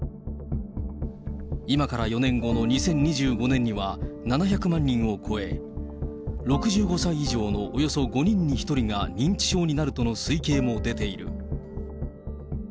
今から４年後の２０２５年には、７００万人を超え、６５歳以上のおよそ５人に１人が認知症になるとの推計も出ている。